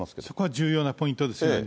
そこは重要なポイントですね。